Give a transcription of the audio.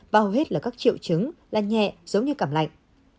bao hầu hết là các triệu chứng là nhẹ giống như cẳm lạnh